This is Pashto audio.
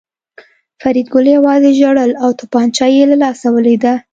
فریدګل یوازې ژړل او توپانچه یې له لاسه ولوېده